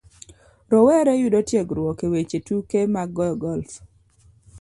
Rowere yudo tiegruok e weche tuke mag goyo golf